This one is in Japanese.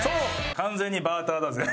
完全にバーターだぜぇ。